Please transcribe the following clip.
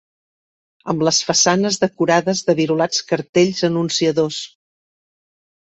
Amb les façanes decorades de virolats cartells anunciadors